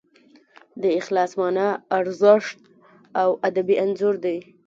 د اخلاص مانا، ارزښت او ادبي انځور